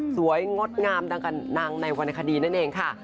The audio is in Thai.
สวยงดงามดังกับนางในวันคดีนั่นเองค่ะ